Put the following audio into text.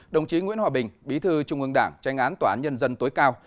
đồng chí nguyễn hòa bình bí thư trung ương đảng tranh án tòa án nhân dân tối cao